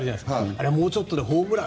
あれはもうちょっとでホームラン。